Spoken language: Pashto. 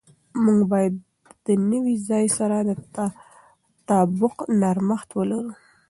موږ باید د نوي ځای سره د تطابق نرمښت ولرو.